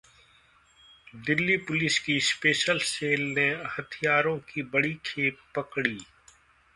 Delhi police की cell सेल ने हथियारों की बड़ी खेप पकड़ी